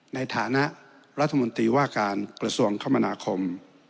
ในฐานะรัฐมนตรีว่าการกระทรวงคมนาคม